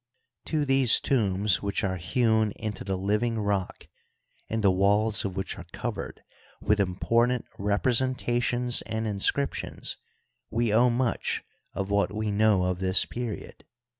To these tombs, which are hewn into the living rock, and the walls of which are covered with important representations and inscriptions, we owe much of what we know of this period.